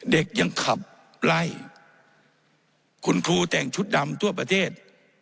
เด็กยังขับไล่คุณครูแต่งชุดดำทั่วประเทศ